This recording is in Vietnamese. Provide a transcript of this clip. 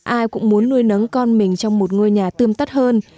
ai cũng muốn nuôi nắng con mình trong một ngôi nhà tươm tắt hơn